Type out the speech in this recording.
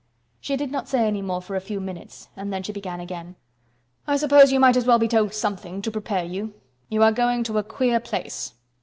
She did not say any more for a few moments and then she began again. "I suppose you might as well be told something—to prepare you. You are going to a queer place."